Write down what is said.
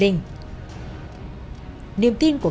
niềm tin của hà giá viễn là